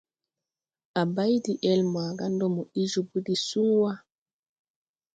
A bay de-ɛl maaga ndɔ mo ɗee jobo de suŋ wà.